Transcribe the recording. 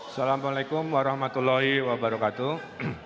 assalamu'alaikum warahmatullahi wabarakatuh